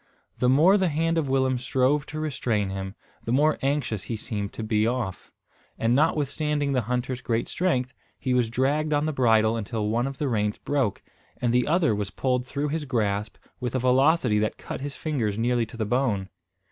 The more the hand of Willem strove to restrain him, the more anxious he seemed to be off; and notwithstanding the hunter's great strength, he was dragged on the bridle until one of the reins broke; and the other was pulled through his grasp with a velocity that cut his fingers nearly to the bone.